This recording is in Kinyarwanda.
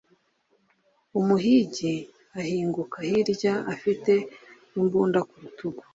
umuhigi ahinguka hirya afite imbunda ku rutugu